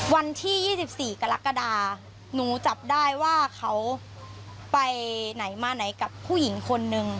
วันที่๒๔กรกฎาหนูจับได้ว่าเขาไปไหนมาไหนกับผู้หญิงคนนึง